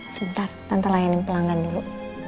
sebentar tanpa layanin pelanggan dulu